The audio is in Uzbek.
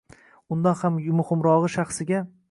undan ham muhimrog'i shaxsiga